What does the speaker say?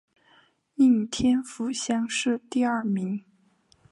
应天府乡试第二名。